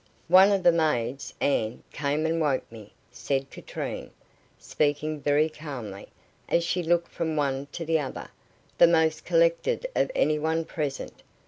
"One of the maids Anne came and woke me," said Katrine, speaking very calmly, as she looked from one to the other, the most collected of any one present.